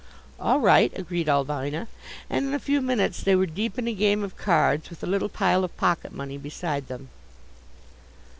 "All right," agreed Ulvina, and in a few minutes they were deep in a game of cards with a little pile of pocket money beside them.